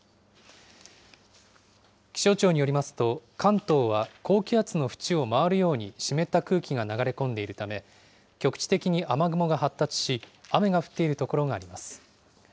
気象庁によりますと、関東は高気圧の縁を回るように湿った空気が流れ込んでいるため、局地的に雨雲が発達し、雨が降っている所があります。